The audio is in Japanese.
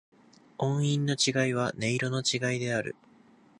音韻の違いは、音色の違いである。